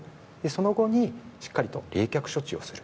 その後にしっかりと冷却措置をする。